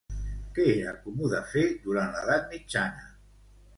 Què era comú de fer durant l'edat mitjana?